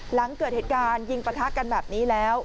หลังเกิดเหตุการณ์ยิงปะทะกันแบบนี้แล้ว